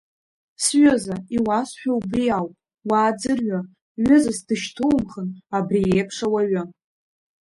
Сҩыза, иуасҳәо убри ауп, уааӡырҩы, ҩызас дышьҭумхын абри еиԥш ауаҩы.